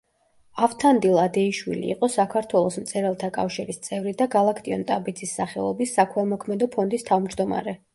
ავთანდილ ადეიშვილი იყო საქართველოს მწერალთა კავშირის წევრი და გალაქტიონ ტაბიძის სახელობის საქველმოქმედო ფონდის თავმჯდომარე.